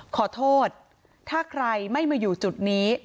ขอโทษถ้าใครไม่มาอยู่จุดนี้